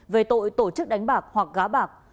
về tội tổ chức đánh bạc hoặc gá bạc